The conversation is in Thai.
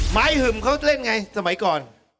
ไม้หึ่มเขาเล่นอย่างไรสมัยก่อน